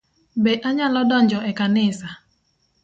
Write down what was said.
Be anyalo donjo e kanisa?